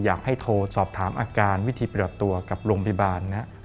อยากให้โทรสอบถามอาการวิธีประดับตัวกับโรงพยาบาลนะ